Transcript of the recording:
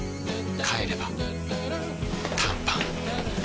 帰れば短パン